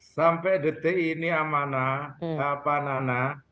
sampai detik ini nana